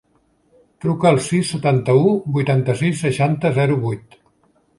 Truca al sis, setanta-u, vuitanta-sis, seixanta, zero, vuit.